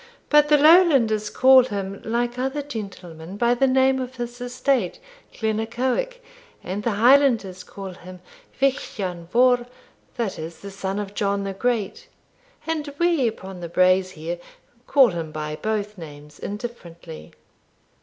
But the Lowlanders call him, like other gentlemen, by the name of his estate, Glennaquoich; and the Highlanders call him Vich Ian Vohr, that is, the son of John the Great; and we upon the braes here call him by both names indifferently.'